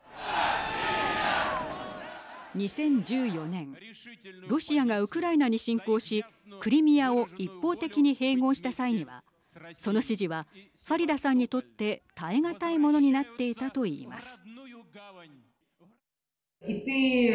２０１４年、ロシアがウクライナに侵攻し、クリミアを一方的に併合した際にはその指示はファリダさんにとって耐え難いものになっていたといいます。